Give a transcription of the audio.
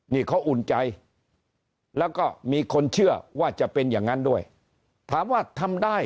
นี่เขาอุ่นใจแล้วก็มีคนเชื่อว่าจะเป็นอย่างนั้นด้วยถามว่าทำได้